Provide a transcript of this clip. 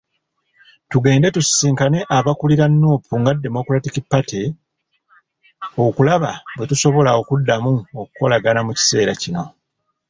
Tugenda kusisinkana abakulira Nuupu nga Democratic Party okulaba bwe tusobola okuddamu okukolagana mu kiseera kino.